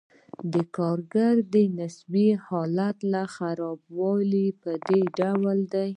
د کارګر د نسبي حالت خرابوالی په دې ډول دی